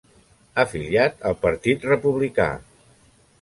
Afiliat al Partit Republicà.